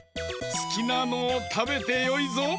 すきなのをたべてよいぞ。